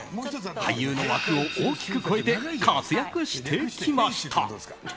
俳優の枠を大きく超えて活躍してきました。